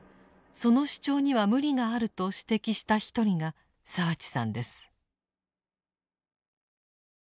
その主張には無理があると指摘した一人が澤地さんです。